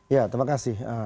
ya terima kasih